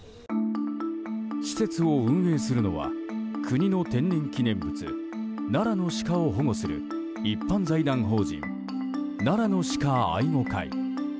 施設を運営するのは国の天然記念物奈良のシカを保護する一般財団法人、奈良の鹿愛護会。